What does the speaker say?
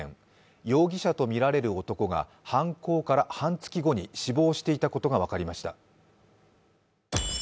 容疑者とみられる男が犯行から半月後に死亡していたことが分かりました。